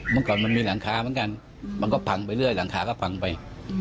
เมื่อก่อนมันมีหลังคาเหมือนกันมันก็พังไปเรื่อยหลังคาก็พังไป